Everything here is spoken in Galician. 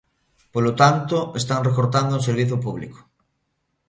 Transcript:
Polo tanto, están recortando un servizo público.